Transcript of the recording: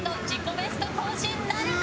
ベスト更新なるか？